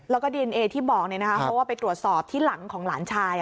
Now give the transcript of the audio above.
แล้วก็ดีเอนเอที่บอกเพราะว่าไปตรวจสอบที่หลังของหลานชาย